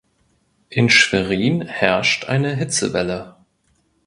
In Schwerin herrscht eine Hitzewelle.